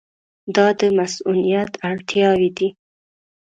دا د مصونیت اړتیاوې دي.